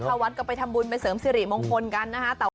เข้าวัดก็ไปทำบุญไปเสริมสิริมงคลกันนะฮะ